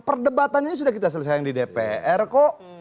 perdebatannya sudah kita selesaikan di dpr kok